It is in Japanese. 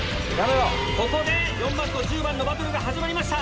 ここで４番と１０番のバトルが始まりました！